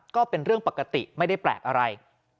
ก็เป็นเรื่องปกติไม่ได้แปลกอะไร